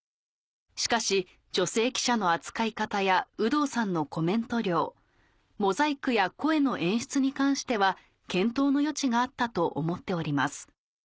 「しかし女性記者の扱い方や有働さんのコメント量モザイクや声の演出に関しては検討の余地があったと思っております」